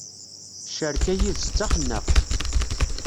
Ccerka yid-s d taxennaqt.